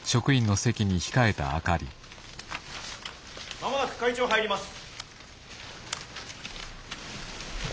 間もなく会長入ります。